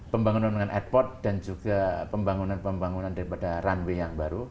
pembangunan dengan airport dan juga pembangunan pembangunan daripada runway yang baru